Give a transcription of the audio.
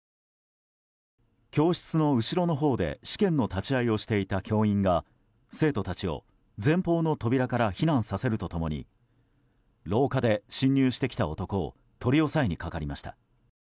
教室の後ろのほうで試験の立ち会いをしていた教員が生徒たちを前方の扉から避難させると共に廊下で侵入してきた男を取り押さえにかかりました。